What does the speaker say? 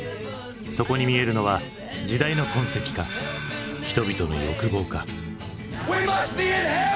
そこに見えるのは時代の痕跡か人々の欲望か。